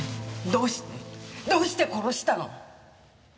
どうしてどうして殺したの！